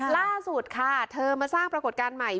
ล่าสุดค่ะเธอมาสร้างปรากฏการณ์ใหม่